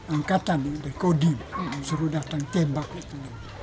angkatan dari kodim suruh datang tembak itu